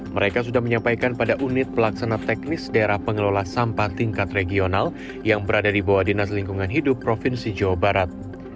mereka sudah menyampaikan pada unit pelaksana teknis daerah pengelola sampah tingkat regional yang berada di bawah dinas lingkungan hidup provinsi jawa barat